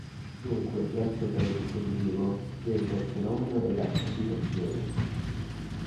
Dunque grazie a tale dispositivo si evita il fenomeno della cavitazione.